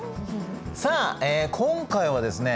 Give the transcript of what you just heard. さあ今回はですね